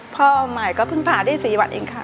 พ่อใหม่ก็เพิ่งผ่าได้๔วันเองค่ะ